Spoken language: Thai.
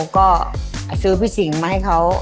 ก็ซื้อพี่สิงมาให้เขา